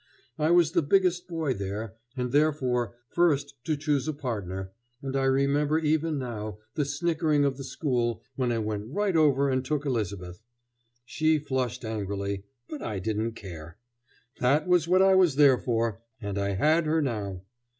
I was the biggest boy there, and therefore first to choose a partner, and I remember even now the snickering of the school when I went right over and took Elizabeth. She flushed angrily, but I didn't care. That was what I was there for, and I had her now.